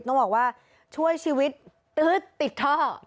ต้องบอกว่าช่วยชีวิตตื๊ดติดท่อ